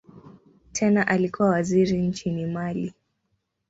Tena alikuwa waziri nchini Mali.